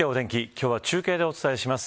今日は中継でお伝えします。